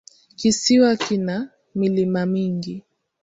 Kisiwa kina milima mingi.